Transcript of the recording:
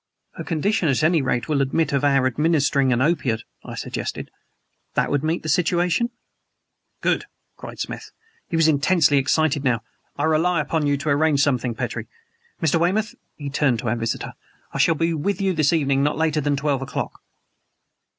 "Her condition at any rate will admit of our administering an opiate," I suggested. "That would meet the situation?" "Good!" cried Smith. He was intensely excited now. "I rely upon you to arrange something, Petrie. Mr. Weymouth" he turned to our visitor "I shall be with you this evening not later than twelve o'clock."